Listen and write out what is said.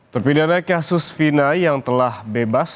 terpindah dari kasus fina yang telah bebas